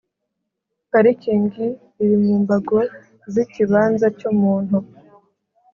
parikingi iri mu mbago z ikibanza cy umuntu